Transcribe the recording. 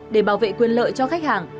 để bảo vệ quyền lợi cho khách hàng